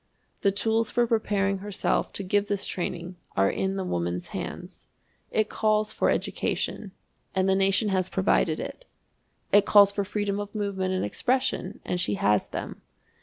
The tools for preparing herself to give this training are in the woman's hands. It calls for education, and the nation has provided it. It calls for freedom of movement and expression, and she has them.